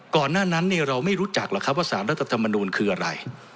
ก่อนหน้านั้นเราไม่รู้จักหรอกครับว่าสารรัฐธรรมนูลคืออะไร